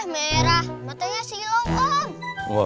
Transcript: merah matanya silom om